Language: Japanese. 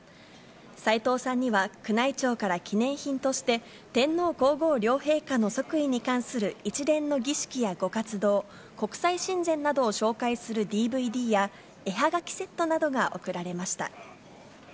斉藤さんには、宮内庁から記念品として、天皇皇后両陛下の即位に関する一連の儀式やご活動、国際親善などを紹介するＤＶＤや絵はがきセットなどが贈られました。